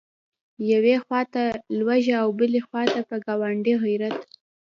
یوې خواته لوږه او بلې خواته په ګاونډي غیرت.